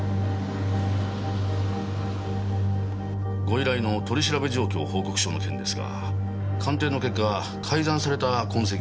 ご依頼の「取調べ状況報告書」の件ですが鑑定の結果改ざんされた痕跡はありませんでした。